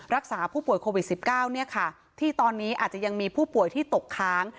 รักษาผู้ป่วยโควิด๑๙ที่ตอนนี้อาจจะยังมีผู้ป่วยที่ตกค้าง